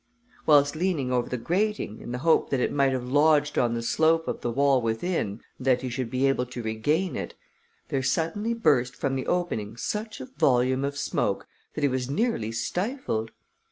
Whilst leaning over the grating, in the hope that it might have lodged on the slope of the wall within, and that he should be able to regain it, there suddenly burst from the opening such a volume of smoke, that he was nearly stifled.